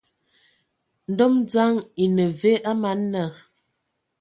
Ndom dzaŋ ene ve a man nna?